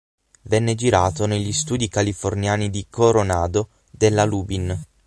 Venne girato negli studi californiani di Coronado della Lubin.